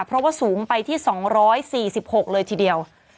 เพราะว่าสูงไปที่๒๔๖เลยทีเดียว